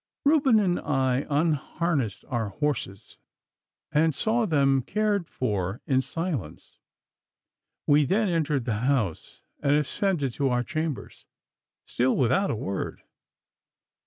Reuben and I unharnessed our horses and saw them cared for in silence. We then entered the house and ascended to our chambers, still without a word.